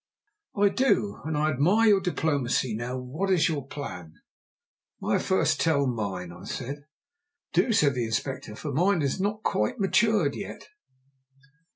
"I do, and I admire your diplomacy. Now what is your plan?" "May I first tell mine?" I said. "Do," said the Inspector, "for mine is not quite matured yet."